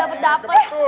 habis itu dilepih pede